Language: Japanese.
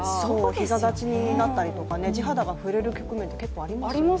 ひざ立ちになったり、地肌が触れる局面って結構ありますよね。